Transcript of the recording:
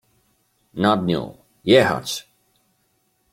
Nad nią — „jechać”.